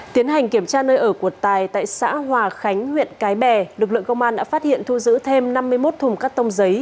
tiến hành kiểm tra nơi ở của tài tại xã hòa khánh huyện cái bè lực lượng công an đã phát hiện thu giữ thêm năm mươi một thùng cắt tông giấy